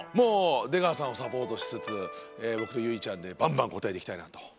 出川さんをサポートしつつボクと結実ちゃんでバンバン答えていきたいなと。